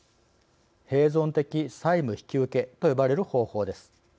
併存的債務引受と呼ばれる方法です。